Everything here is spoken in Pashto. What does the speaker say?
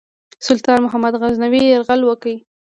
سلطان محمود غزنوي یرغل وکړ.